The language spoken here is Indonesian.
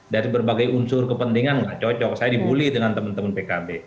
dari berbagai unsur kepentingan nggak cocok saya dibully dengan teman teman pkb